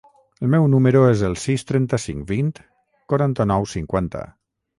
El meu número es el sis, trenta-cinc, vint, quaranta-nou, cinquanta.